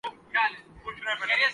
محترمہ مریم ایک عرصہ سے متحرک ہیں۔